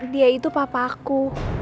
dia itu papa aku